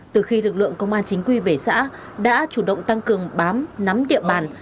từ khi lực lượng công an chính quy về xã đã chủ động tăng cường bám nắm địa bàn